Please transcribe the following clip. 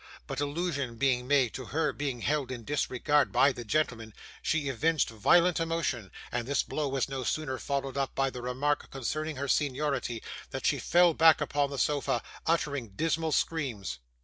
But allusion being made to her being held in disregard by the gentlemen, she evinced violent emotion, and this blow was no sooner followed up by the remark concerning her seniority, than she fell back upon the sofa, uttering dismal screams.